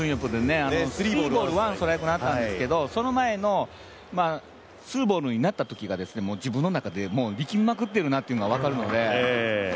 イ・スンヨプで、ツーストライクツーボールになったんですけどその前のツーボールになったときが、もう自分の中で力みまくっているなっていうのが分かるので。